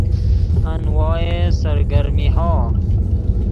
انواع سرگرمیها